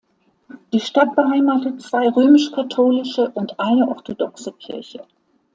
Die Stadt beheimatet zwei römisch-katholische und eine orthodoxe Kirche.